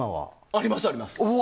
あります、あります。